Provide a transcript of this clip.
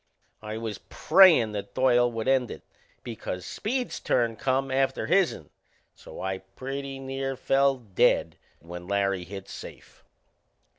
I was prayin' that Doyle would end it, because Speed's turn come after his'n; so I pretty near fell dead when Larry hit safe.